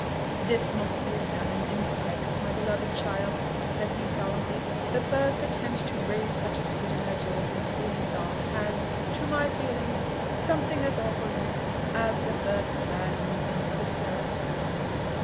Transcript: "This must be examined in private, my beloved child," said he solemnly. "The first attempt to raise such a spirit as yours in holy song has, to my feelings, something as awful in it as the first glad movement of a seraph's wing!...